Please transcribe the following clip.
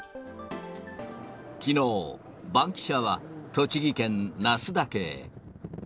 きのう、バンキシャは栃木県那須岳へ。